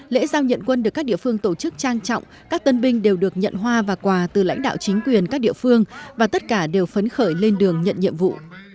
lễ giao nhận quân được các địa phương tổ chức trang trọng các tân binh đều được nhận hoa và quà từ lãnh đạo chính quyền các địa phương và tất cả đều phấn khởi lên đường nhận nhiệm vụ